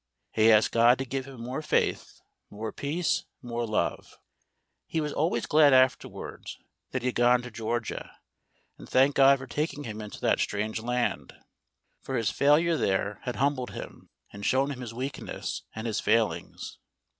He asked God to give him more faith, more peace, more love. He was always glad afterwards that he had gone to Georgia, and thanked God for taking him into that strange land, for his failure there had humbled him and shown him his weakness and his failings.